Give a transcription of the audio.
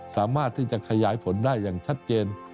สามารถที่จะขยายผลได้อย่างชัดเจน